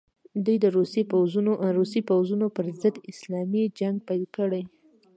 دوی د روسي پوځونو پر ضد اسلامي جنګ پیل کړي.